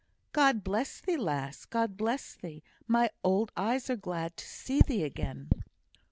"God bless thee, lass; God bless thee! My old eyes are glad to see thee again."